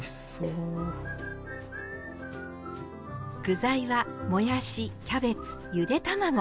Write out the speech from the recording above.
具材はもやしキャベツゆで卵。